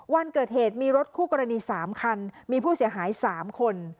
วันเกิดเหตุมีรถคู่กรณี๓คันมีผู้เสียหาย๓คน